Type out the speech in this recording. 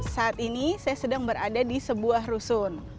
saat ini saya sedang berada di sebuah rusun